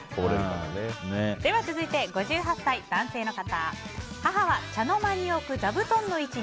続いて５８歳、男性の方。